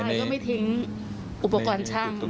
ถึงตัวตายก็ไม่ทิ้งอุปกรณ์ช่าง